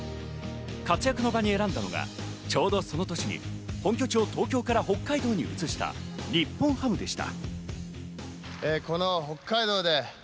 活躍の場に選んだのが、ちょうどその年に本拠地を東京から北海道に移した日本ハムでした。